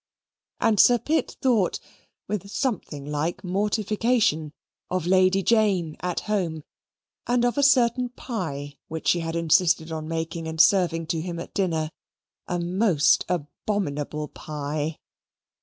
And Sir Pitt thought, with something like mortification, of Lady Jane at home, and of a certain pie which she had insisted on making, and serving to him at dinner a most abominable pie.